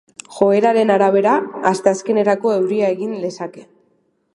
Joeraren arabera, asteazkenerako euria egin lezake.